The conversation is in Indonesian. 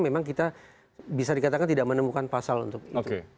memang kita bisa dikatakan tidak menemukan pasal untuk itu